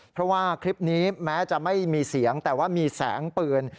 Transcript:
เพราะว่าคลิปนี้แม้จะไม่มีเสียงแต่ว่ามีแสงปืน